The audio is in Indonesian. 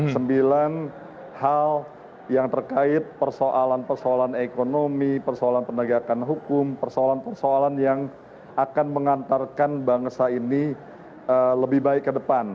sembilan hal yang terkait persoalan persoalan ekonomi persoalan penegakan hukum persoalan persoalan yang akan mengantarkan bangsa ini lebih baik ke depan